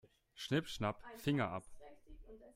Schnipp-schnapp, Finger ab.